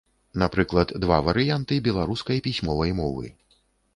Напрыклад, два варыянты беларускай пісьмовай мовы.